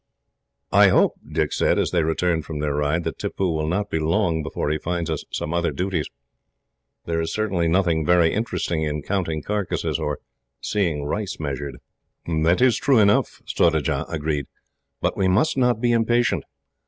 "I hope," Dick said, as they returned from their ride, "that Tippoo will not be long before he finds us some other duties. There is nothing very interesting in counting carcases, or seeing rice measured." "That is true enough," Surajah agreed. "But we must not be impatient.